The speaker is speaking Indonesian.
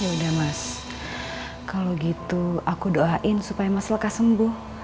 yaudah mas kalau gitu aku doain supaya mas lekas sembuh